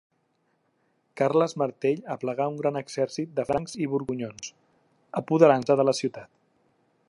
Carles Martell aplegà un gran exèrcit de francs i borgonyons, apoderant-se de la ciutat.